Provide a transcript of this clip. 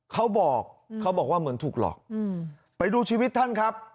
เขาบอกเขาบอกว่าเหมือนถูกหลอกไปดูชีวิตท่านครับ